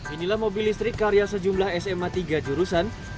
inilah mobil listrik karya sejumlah sma tiga jurusan